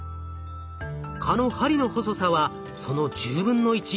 蚊の針の細さはその１０分の１。